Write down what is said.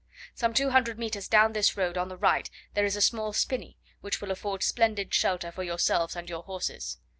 Some two hundred metres down this road on the right there is a small spinney, which will afford splendid shelter for yourselves and your horses.